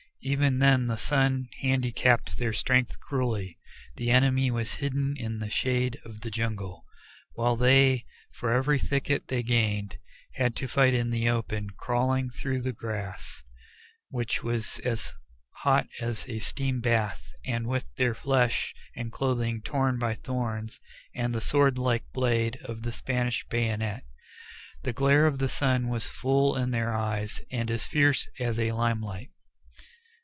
Even then the sun handicapped their strength cruelly. The enemy was hidden in the shade of the jungle, while they, for every thicket they gained, had to fight in the open, crawling through grass which was as hot as a steam bath, and with their flesh and clothing torn by thorns and the sword like blade of the Spanish "bayonet." The glare of the sun was full in their eyes and as fierce as a lime light.